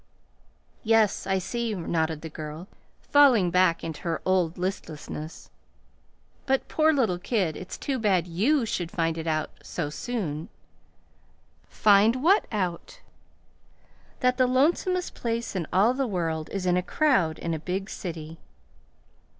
"Yes, I see," nodded the girl, falling back into her old listlessness. "But, poor little kid, it's too bad YOU should find it out so soon." "Find what out?" "That the lonesomest place in all the world is in a crowd in a big city."